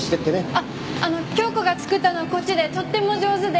あっ京子が作ったのはこっちでとっても上手で。